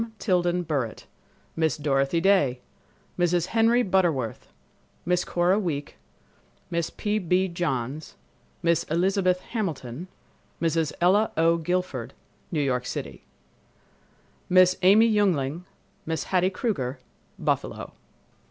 Tilden Burritt, Miss Dorothy Day, Mrs. Henry Butterworth, Miss Cora Week, Mrs. P. B. Johns, Miss Elizabeth Hamilton, Mrs. Ella O. Guilford, New York City; Miss Amy Juengling, Miss Hattie Kruger, Buffalo.